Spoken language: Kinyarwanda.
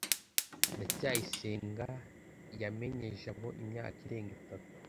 ndacyayisenga yamenye jabo imyaka irenga itatu